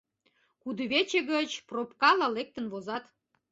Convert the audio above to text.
Кудывече гыч пробкала лектын возат».